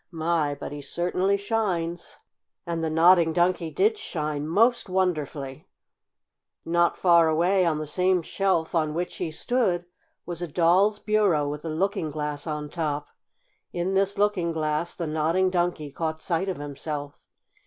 My, but he certainly shines!" And the Nodding Donkey did shine most wonderfully! Not far away, on the same shelf on which he stood, was a doll's bureau with a looking glass on top. In this looking glass the Nodding Donkey caught sight of himself.